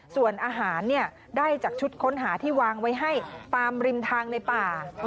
ส่วนอาหารได้จากชุดค้นหาที่วางไว้ให้ตามริมทางในป่า